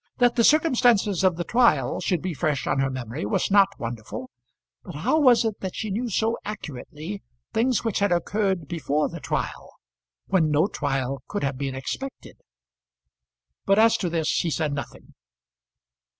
That the circumstances of the trial should be fresh on her memory was not wonderful; but how was it that she knew so accurately things which had occurred before the trial, when no trial could have been expected? But as to this he said nothing.